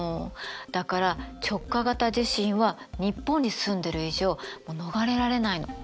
だから直下型地震は日本に住んでる以上もう逃れられないの。